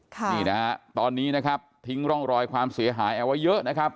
นี่นะฮะตอนนี้นะครับทิ้งร่องรอยความเสียหายเอาไว้เยอะนะครับ